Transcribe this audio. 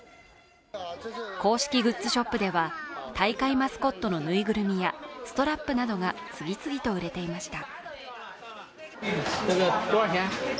公式グッズショップでは大会マスコットのぬいぐるみやストラップなどが、次々と売れていました。